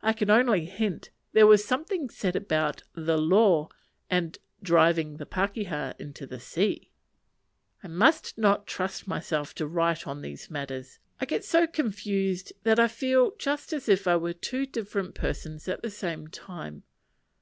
I can only hint there was something said about "the Law," and "driving the pakeha into the sea." I must not trust myself to write on these matters. I get so confused, that I feel just as if I was two different persons at the same time.